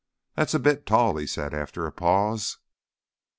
"That's a bit tall," he said after a pause.